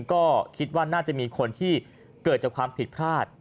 ก็คิดว่าน่าจะมีคนที่เกิดจากความผิดพลาด